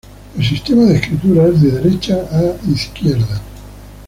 El sistema de escritura es de derecha a izquierda.